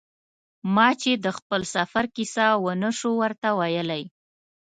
ما چې د خپل سفر کیسه و نه شو ورته ویلای.